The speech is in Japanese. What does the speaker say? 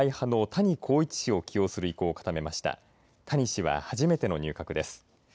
谷氏は初めての入閣です。